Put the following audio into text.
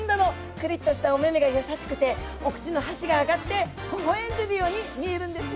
クリッとしたおめめが優しくてお口の端が上がってほほ笑んでるように見えるんですね。